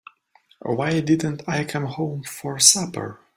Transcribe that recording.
Why didn't I come home for supper?